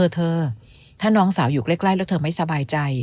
เธอถ้าน้องสาวอยู่ใกล้แล้วเธอไม่สบายใจ